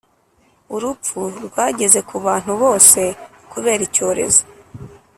Urupfu rwageze ku bantu bose kubera icyorezo